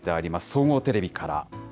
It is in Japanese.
総合テレビから。